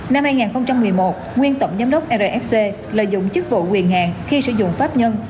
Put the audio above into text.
năm hai nghìn một mươi một nguyên tổng giám đốc rfc lợi dụng chức vụ quyền hạn khi sử dụng pháp nhân